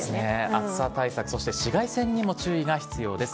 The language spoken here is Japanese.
暑さ対策、そして紫外線にも注意が必要です。